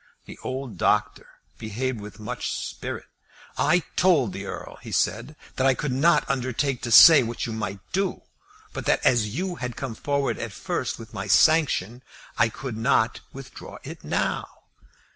The old doctor behaved with much spirit. "I told the Earl," he said, "that I could not undertake to say what you might do; but that as you had come forward at first with my sanction, I could not withdraw it now.